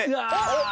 うわ！